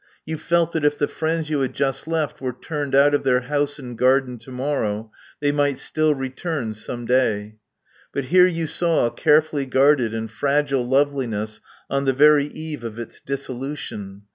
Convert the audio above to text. You felt that if the friends you had just left were turned out of their house and garden to morrow, they might still return some day. But here you saw a carefully guarded and fragile loveliness on the very eve of its dissolution.